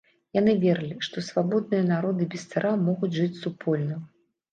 Яны верылі, што свабодныя народы без цара могуць жыць супольна.